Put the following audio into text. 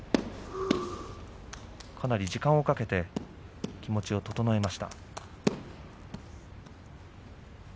時間をかけて気持ちを整えました。